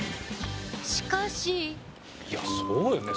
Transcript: しかしいやそうよね。